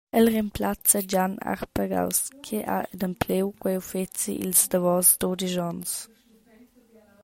El remplazza Gian Arpagaus che ha adempliu quei uffeci ils davos dudisch onns.